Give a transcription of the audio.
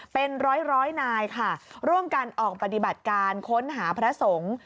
เป็นร้อยร้อยนายค่ะร่วมกันออกปฏิบัติการค้นหาพระสงฆ์